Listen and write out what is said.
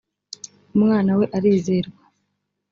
umwana we arizerwa .